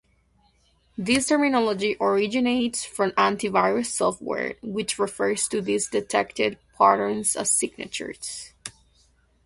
This terminology originates from anti-virus software, which refers to these detected patterns as signatures.